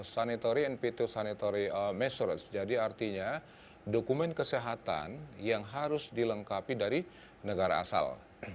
sanitary and petu sanitary measures jadi artinya dokumen kesehatan yang harus dilengkapi dari negara asal